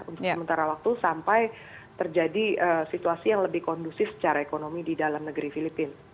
untuk sementara waktu sampai terjadi situasi yang lebih kondusif secara ekonomi di dalam negeri filipina